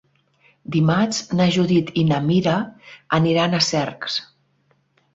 Dimarts na Judit i na Mira aniran a Cercs.